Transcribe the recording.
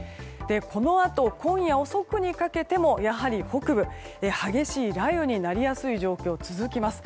このあと今夜遅くにかけてもやはり北部で激しい雷雨になりやすい状況が続きます。